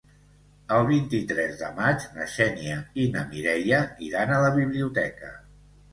El vint-i-tres de maig na Xènia i na Mireia iran a la biblioteca.